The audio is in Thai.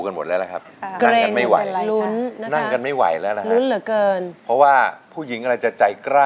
ผมเห็นสิบคนวิทยาลัยมากเลยพอโปรแคมมือใช่ไหมครับ